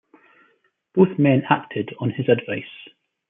Both men acted on his advice.